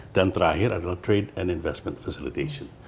dan terakhir adalah trade and investment facilitation